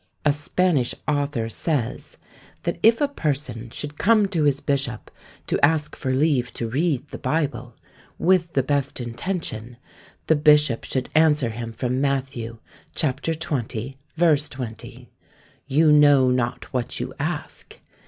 A Spanish author says, that if a person should come to his bishop to ask for leave to read the Bible, with the best intention, the bishop should answer him from Matthew, ch. xx. ver. 20, "You know not what you ask."